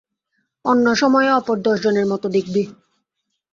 অন্য সময়ে অপর দশ জনের মত দেখবি।